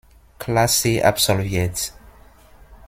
Klasse absolviert.